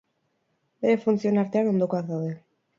Bere funtzioen artean ondokoak daude.